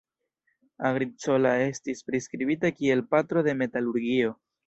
Agricola estis priskribita kiel "patro de metalurgio".